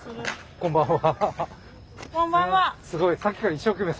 こんばんは。